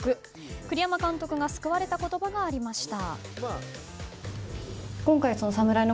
栗山監督が救われた言葉がありました。